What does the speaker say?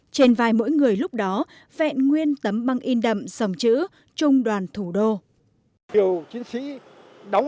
trên vai mỗi người lúc đó vẹn nguyên tấm băng in đậm dòng chữ trung đoàn thủ đô